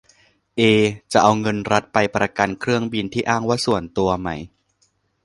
เอ จะเอาเงินรัฐ ไปประกันเครื่องบินที่อ้างว่า"ส่วนตัว"ไหม ?